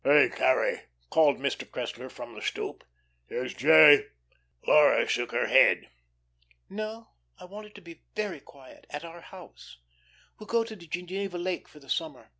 "Hey, Carrie," called Mr. Cressler from the stoop, "here's J." Laura shook her head. "No, I want it to be very quiet at our house. We'll go to Geneva Lake for the summer.